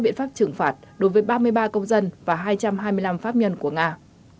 biện pháp trừng phạt đối với ba mươi ba công dân và hai trăm hai mươi năm pháp nhân của nga